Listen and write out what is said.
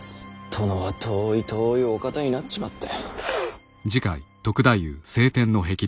殿は遠い遠いお方になっちまった。